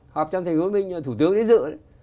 họp trong thành phố hồ minh thủ tướng thế dự đấy